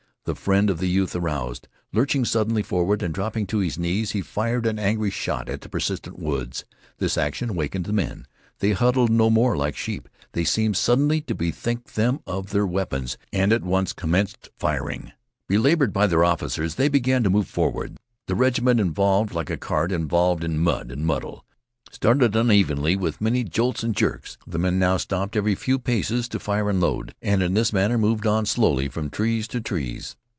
The friend of the youth aroused. Lurching suddenly forward and dropping to his knees, he fired an angry shot at the persistent woods. This action awakened the men. They huddled no more like sheep. They seemed suddenly to bethink them of their weapons, and at once commenced firing. Belabored by their officers, they began to move forward. The regiment, involved like a cart involved in mud and muddle, started unevenly with many jolts and jerks. The men stopped now every few paces to fire and load, and in this manner moved slowly on from trees to trees.